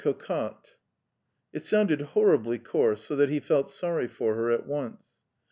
. cocotte." It sounded horribly coarse, so that he felt sorry for her at once.